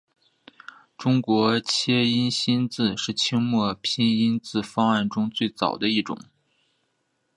中国切音新字是清末拼音字方案中最早的一种。